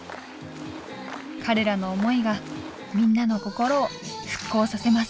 彼らの思いがみんなの心を復興させます。